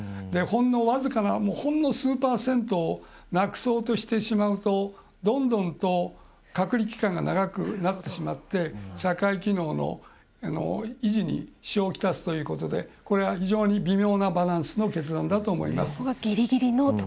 ほんの僅かなほんの数パーセントをなくそうとしてしまうとどんどんと隔離期間が長くなってしまって社会機能の維持に支障をきたすということでこれは非常に微妙なバランスの決断だと思います。